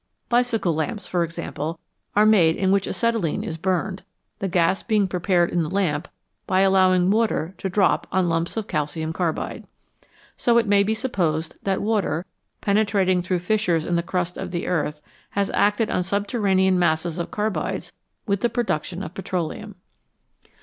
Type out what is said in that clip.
Bicycle lamps, for example, are made in which acetylene is burned, the gas being prepared in the lamp by allowing water to drop on lumps of calcium carbide. So it may be supposed that water, penetrating through fissures in the crust of the earth, has acted on subterranean masses of carbides with the production of petroleum.